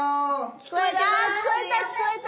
聞こえた聞こえた！